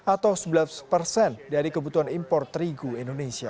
atau sebelas persen dari kebutuhan impor terigu indonesia